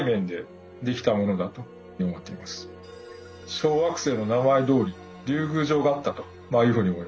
小惑星の名前どおり竜宮城があったというふうに思います。